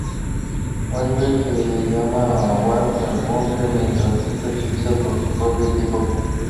Oliver se lleva a Wally al búnker, mientras es perseguido por su propio equipo.